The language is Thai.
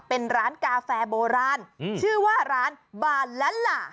เป็นร้านกาแฟโบราณชื่อว่าร้านบานละหล่า